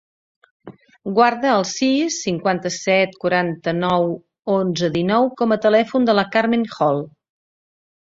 Guarda el sis, cinquanta-set, quaranta-nou, onze, dinou com a telèfon de la Carmen Hall.